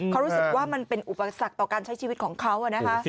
เขารู้สึกว่ามันเป็นอุปสรรคต่อการใช้ชีวิตของเขานะคะ